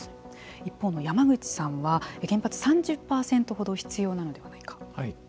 一方の山口さんは原発は３０％ほど必要なのではないかと。